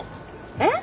えっ？